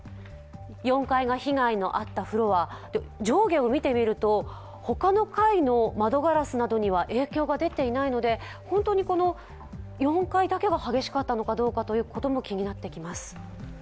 ４階が被害のあったフロア、上下を見てみると他の階の窓ガラスなどには影響が出ていないので、本当に４階だけが激しかったのかどうかも気になってきます。